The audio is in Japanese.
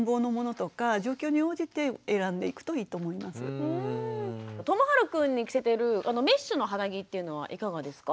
ともはるくんに着せてるメッシュの肌着っていうのはいかがですか？